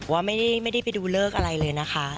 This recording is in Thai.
ว่าไม่ได้ไปดูเลิกอะไรเลยนะคะ